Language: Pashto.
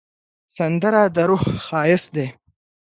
سندره د روح ښایست دی